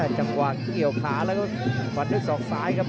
จังหวะเกี่ยวขาแล้วก็ฟันด้วยศอกซ้ายครับ